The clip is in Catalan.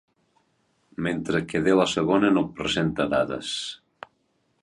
Mentre que de la segona no presenta dades.